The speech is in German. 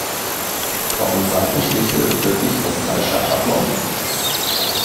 Kommen Seitenstiche wirklich von falscher Atmung?